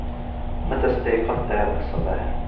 متى استيقظت هذا الصباح ؟